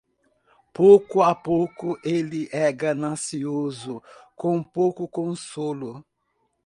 Pouco a pouco ele é ganancioso, com pouco consolo.